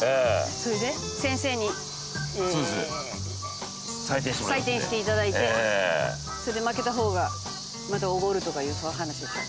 それで先生に採点して頂いてそれで負けた方がまたおごるとかいうそういう話でしょ？